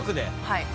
はい。